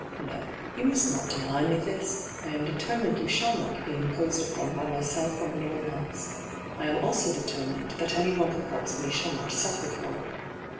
No, you must not deny me this ; I am determined you shall not be imposed upon by myself or anyone else. I am also determined that any one who helps me shall not suffer for it.